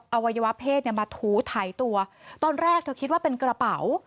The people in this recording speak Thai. อวัยวะเพศเนี่ยมาถูไถตัวตอนแรกเธอคิดว่าเป็นกระเป๋า